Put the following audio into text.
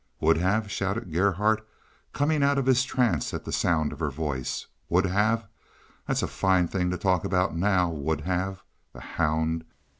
"Would have!" shouted Gerhardt, coming out of his trance at the sound of her voice. "Would have! That's a fine thing to talk about now. Would have! The hound!